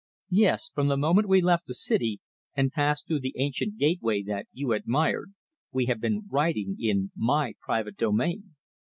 "Yes. From the moment we left the city and passed through the ancient gateway that you admired, we have been riding in my private domain.